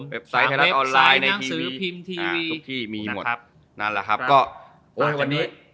เว็บไซต์ไทยรัฐออนไลน์ทนมสือพิมพ์ทีวีทุกที่มีหมด